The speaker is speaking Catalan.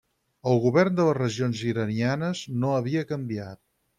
El govern a les regions iranianes no havia canviat.